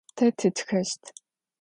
Te tıtxeşt.